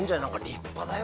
立派だよ。